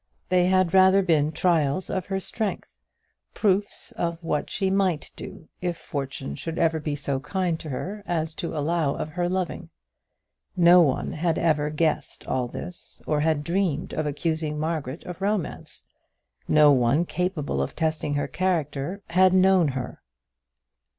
They had rather been trials of her strength, proofs of what she might do if fortune should ever be so kind to her as to allow of her loving. No one had ever guessed all this, or had dreamed of accusing Margaret of romance. No one capable of testing her character had known her.